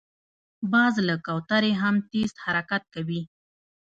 باز له کوترې هم تېز حرکت کوي